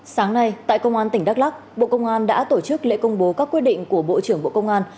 sáng nay tại công an tỉnh đắk lắc bộ công an đã tổ chức lễ công bố các quyết định của bộ trưởng bộ công an